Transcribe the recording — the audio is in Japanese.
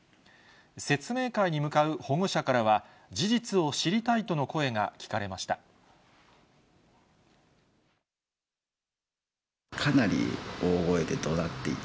説明会に向かう保護者からは、事実を知りたいとの声が聞かれました。